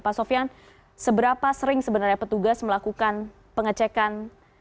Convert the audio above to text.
pasofian seberapa sering sebenarnya petugas melakukan pengecekan